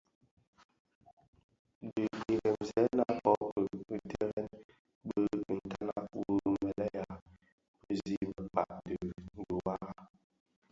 Di iremzëna kō ki terrèn bi ntanag wu mëlèya bi zi bëkpa dhi dhuwara.